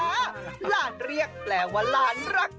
หลานเรียกแปลว่าหลานรัก